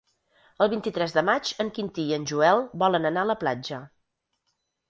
El vint-i-tres de maig en Quintí i en Joel volen anar a la platja.